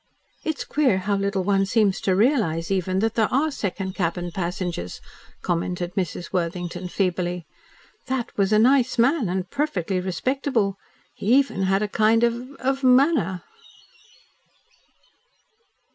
"It's queer how little one seems to realise even that there are second cabin passengers," commented Mrs. Worthington feebly. "That was a nice man, and perfectly respectable. He even had a kind of of manner."